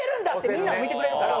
みんなも見てくれるから。